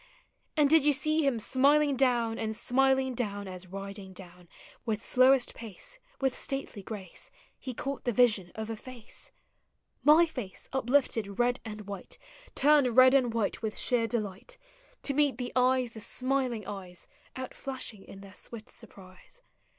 And did you see him smiling down, And smiling down, as riding down With slowest pace, with stately grace, tie caught the yision of a face, — My face uplifted red and white, Turned red and white with sheer delight, To meet the eyes, the smiling eyes, Outllashing in their swift surprise?